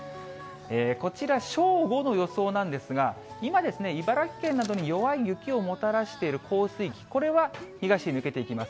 こちら、正午の予想なんですが、今、茨城県などに弱い雪をもたらしている降水域、これは東へ抜けていきます。